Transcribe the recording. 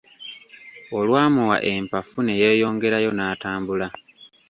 Olwamuwa empafu ne yeeyongerayo n'atambula.